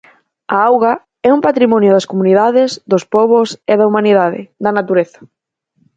A auga é un patrimonio das comunidades, dos pobos e da humanidade, da natureza.